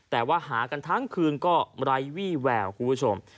แต่ว่าหากันทั้งคืนก็ไร้วี่แววคุณผู้ชม